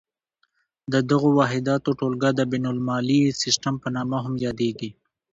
د دغو واحداتو ټولګه د بین المللي سیسټم په نامه هم یادیږي.